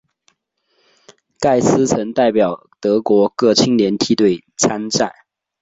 盖斯曾代表德国各青年梯队参战。